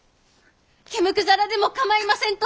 毛むくじゃらでも構いませんと！